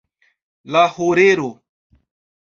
La horero.